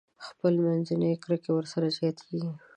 خپل منځي کرکه ورسره زياتېږي.